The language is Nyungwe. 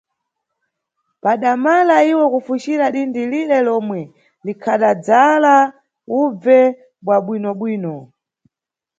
Padamala iwo kufucira dindi lire lomwe likhadadzala ubve mwa bwinobwino.